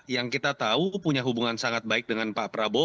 yang kita tahu punya hubungan sangat baik dengan pak prabowo